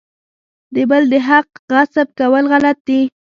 د بل د حق غصب کول غلط دي.